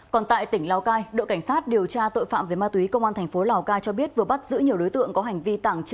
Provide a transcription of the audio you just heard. còn tại tỉnh lào cai đội cảnh sát điều tra tội phạm về ma túy công an tp lào cai cho biết vừa bắt giữ nhiều đối tượng có hành vi tảng chữ